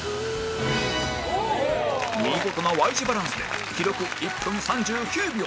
見事な Ｙ 字バランスで記録１分３９秒